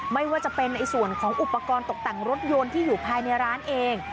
ไม่ว่าจะเป็นในส่วนของอุปกรณ์ตกแต่งรถยนต์ที่อยู่ภายในร้านเอง